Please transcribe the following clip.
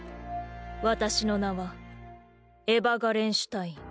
私の名はエヴァ・ガレンシュタイン。